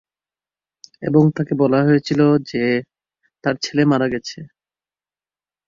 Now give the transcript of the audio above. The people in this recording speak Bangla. এবং তাকে বলা হয়েছিল যে তার ছেলে মারা গেছে।